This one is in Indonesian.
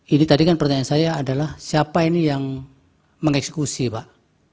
ini tadi kan pertanyaan saya adalah siapa ini yang mengeksekusi pak